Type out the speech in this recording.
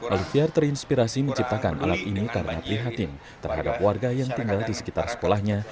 oliviar terinspirasi menciptakan alat ini karena prihatin terhadap warga yang tinggal di sekitar sekolahnya